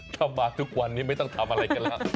ถ้ามาทุกวันนี้ไม่ต้องทำอะไรกันแล้ว